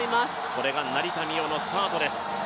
これが成田実生のスタートです。